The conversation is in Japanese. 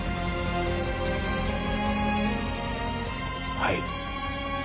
はい。